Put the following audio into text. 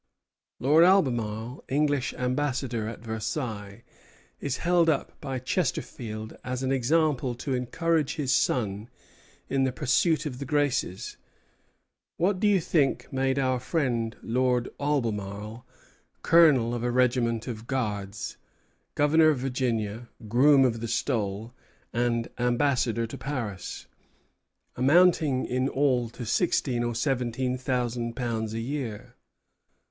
Lord Albemarle, English ambassador at Versailles, is held up by Chesterfield as an example to encourage his son in the pursuit of the graces: "What do you think made our friend Lord Albemarle colonel of a regiment of Guards, Governor of Virginia, Groom of the Stole, and ambassador to Paris, amounting in all to sixteen or seventeen thousand pounds a year?